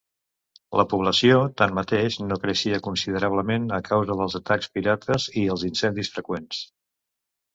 La població, tanmateix, no creixia considerablement, a causa dels atacs pirates i els incendis freqüents.